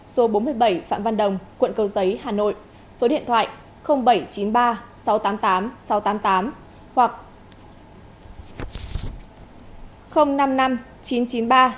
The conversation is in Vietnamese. số bốn mươi bảy phạm văn đồng quận câu giấy hà nội số điện thoại bảy trăm chín mươi ba sáu trăm tám mươi tám sáu trăm tám mươi tám hoặc năm mươi năm chín trăm chín mươi ba ba nghìn ba trăm ba mươi ba